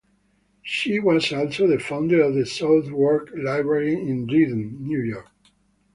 She was also the founder of the Southworth Library in Dryden, New York.